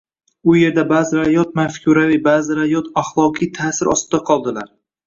u yerda ba’zilari yot mafkuraviy, ba’zilari yot axloqiy ta’sir ostida qoldilar.